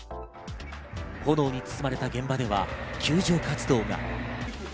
炎に包まれた現場では救助活動が。